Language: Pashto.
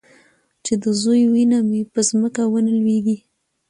چې د زوى وينه مې په ځمکه ونه لوېږي.